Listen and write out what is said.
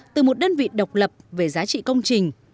từ một đơn vị độc lập về giá trị công trình